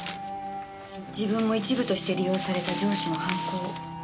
自分も一部として利用された上司の犯行を。